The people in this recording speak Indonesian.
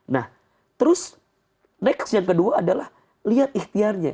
nah terus next yang kedua adalah lihat ikhtiarnya